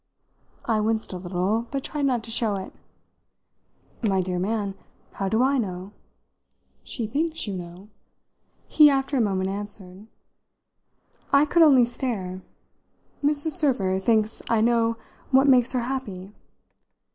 I winced a little, but tried not to show it. "My dear man, how do I know?" "She thinks you know," he after a moment answered. I could only stare. "Mrs. Server thinks I know what makes her happy?"